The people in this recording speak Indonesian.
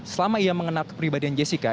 selama ia mengenal kepribadian jessica